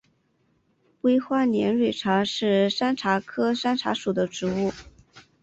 微花连蕊茶是山茶科山茶属的植物。